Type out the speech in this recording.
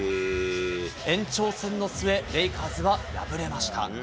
延長戦の末、レイカーズは敗れました。